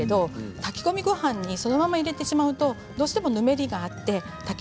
炊き込みごはんにそのまま入れてしまうとどうしても、ぬめりがあって炊き